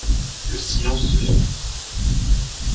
Le silence se fit.